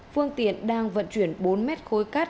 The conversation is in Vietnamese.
phương tiện đang vận chuyển bốn mét khối cát